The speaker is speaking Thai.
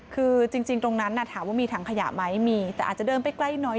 คือจริงตรงนั้นถามว่ามีถังขยะไหมมีแต่อาจจะเดินไปใกล้น้อย